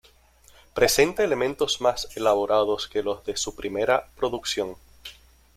Presenta elementos más elaborados que los de su primera producción.